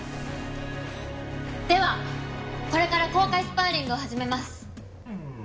ではこれから公開スパーリングを始めます。